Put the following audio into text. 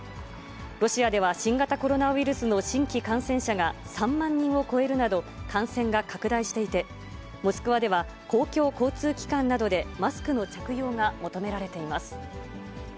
ロシアでは新型コロナウイルスの新規感染者が３万人を超えるなど、感染が拡大していて、モスクワでは公共交通機関などでマスクの着用が求められています。